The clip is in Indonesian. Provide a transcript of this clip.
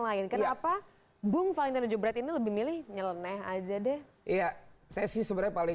lain kenapa bung valentino jebret ini lebih milih nyeleneh aja deh iya saya sih sebenarnya paling